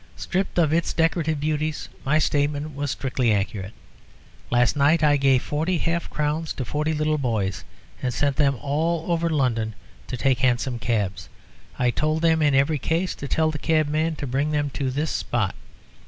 Stripped of its decorative beauties, my statement was strictly accurate. Last night I gave forty half crowns to forty little boys, and sent them all over London to take hansom cabs. I told them in every case to tell the cabman to bring them to this spot.